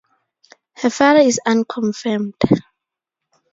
Her father is unconfirmed.